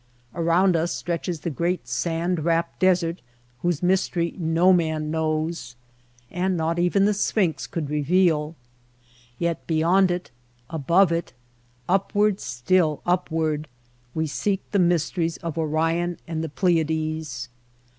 Around us stretches the great sand wrapped desert whose mystery no man knows, and not even the Sphinx could reveal ; yet beyond it, above it, upward still upward, we seek the mysteries of Orion and the Pleiades.